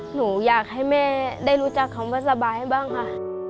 หนูอยากให้แม่ได้รู้จักคำว่าสบายให้บ้างค่ะ